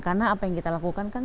karena apa yang kita lakukan kan